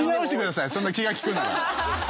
そんな気が利くなら。